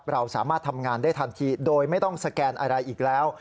เราสามารถทำงานได้ทันทีโดยไม่ต้องสแกนอะไรอีกแล้ว